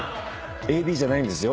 ＡＤじゃないんですよ。